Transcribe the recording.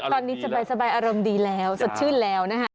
ตอนนี้สบายอารมณ์ดีแล้วสดชื่นแล้วนะฮะ